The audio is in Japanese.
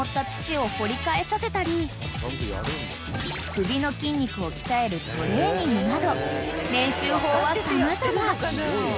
［首の筋肉を鍛えるトレーニングなど練習法は様々］